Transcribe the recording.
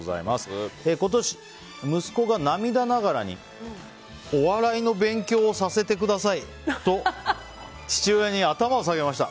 今年、息子が涙ながらにお笑いの勉強をさせてくださいと父親に頭を下げました。